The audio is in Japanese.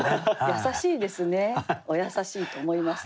優しいですねお優しいと思います。